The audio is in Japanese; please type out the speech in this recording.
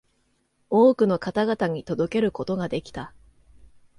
多くの方々に届けることができた